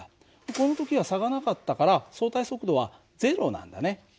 この時は差がなかったら相対速度は０なんだね。